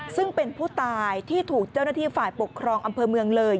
ซึ่งเป็นผู้ตายที่ถูกเจ้าหน้าที่ฝ่ายปกครองอำเภอเมืองเลย